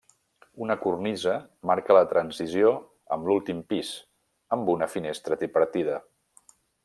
Una cornisa marca la transició amb l'últim pis amb una finestra tripartida.